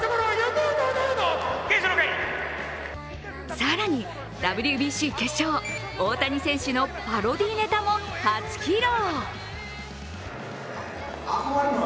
更にＷＢＣ決勝、大谷選手のパロディーネタも初披露。